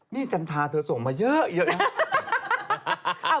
นี่จันทราเธอส่งมาเยอะนะ